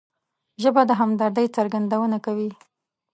ژبه د همدردۍ څرګندونه کوي